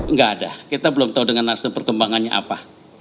nggak ada kita belum tahu dengan nasdem perkembangannya apa